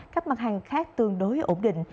các mặt hàng khác tương đối ổn định